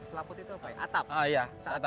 selaput itu apa ya atap